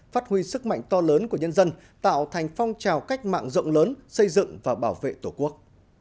phát huy sức mạnh to lớn của nhân dân tạo thành phong trào cách mạng rộng lớn xây dựng và bảo vệ tổ quốc